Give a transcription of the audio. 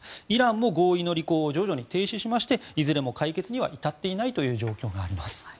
イランも合意の履行を徐々に停止しましていずれも解決には至っていないという状況があります。